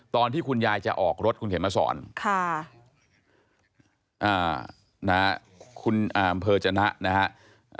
ตอนที่คุณยายจะออกรถคุณเข็มมาสอนนะครับคุณอำเภอจนะนะครับ